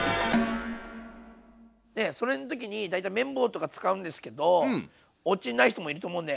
それの時に大体麺棒とか使うんですけどおうちにない人もいると思うんでこれでもいいですよ。